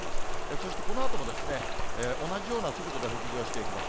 そしてこのあとも同じような速度で北上していきます。